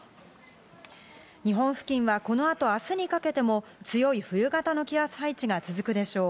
日本付近はこのあと明日にかけても強い冬型の気圧配置が続くでしょう。